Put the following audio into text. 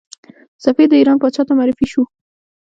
سفیر د ایران پاچا ته معرفي شو.